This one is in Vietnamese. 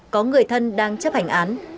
có người thân đang chấp hành án